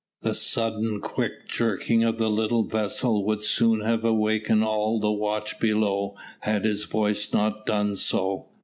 The sudden quick jerking of the little vessel would soon have awakened all the watch below had his voice not done so.